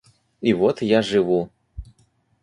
И вот я живу.